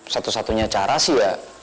satu satunya cara sih ya